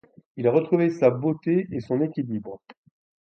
Il a retrouvé sa beauté et son équilibre.